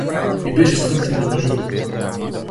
Ми беше светлина во животот.